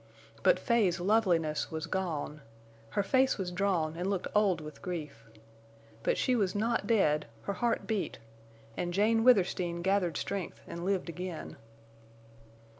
But Fay's loveliness was gone. Her face was drawn and looked old with grief. But she was not dead—her heart beat—and Jane Withersteen gathered strength and lived again.